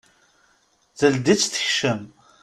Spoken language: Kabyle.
Teldi-tt tekcem.